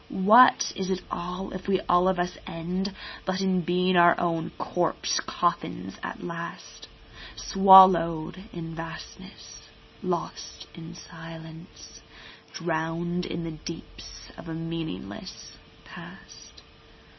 What is it all, if we all of us end but in being our own corpse coffins at last, Swallow'd in Vastness, lost in Silence, drown'd in the deeps of a meaningless Past?